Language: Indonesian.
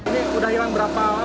ini sudah hilang berapa lama pak